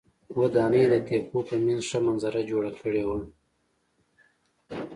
ودانۍ د تپو په منځ ښه منظره جوړه کړې وه.